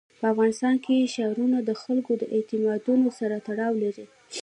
په افغانستان کې ښارونه د خلکو د اعتقاداتو سره تړاو لري.